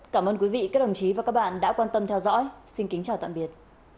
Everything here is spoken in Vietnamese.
cảm ơn quý vị các đồng chí và các bạn đã quan tâm theo dõi xin kính chào tạm biệt